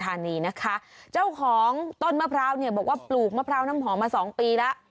นะคะเจ้าของต้นมะพร้าวเนี่ยบอกว่าปลูกมะพร้าวน้ำหอมมาสองปีแล้ว